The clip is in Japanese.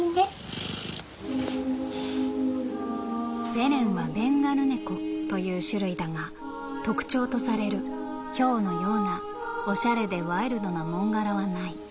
「ベレンはベンガル猫という種類だが特徴とされるヒョウのようなおしゃれでワイルドな紋柄はない」。